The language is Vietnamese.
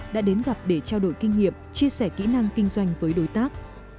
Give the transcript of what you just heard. được kinh nghiệm chia sẻ kỹ năng kinh doanh với đối tác